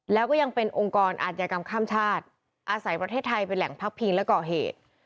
แล้วก็ยังเป็นองค์กรอาธิกรรมข้ามชาติอาศัยประเทศไทยเป็นแหล่งพักพิงและก่อเหตุ